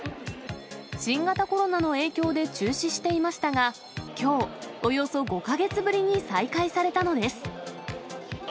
新型コロナの影響で中止していましたが、きょう、およそ５か月ぶりに再開されたのです。